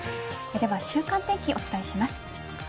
週間天気、お伝えします。